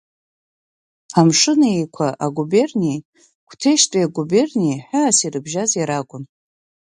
Амшын Еиқәа агуберниеи Қәҭешьтәи агуберниеи ҳәаас ирыбжьаз иаракәын.